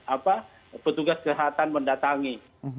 apa petugas kesehatan mendatangi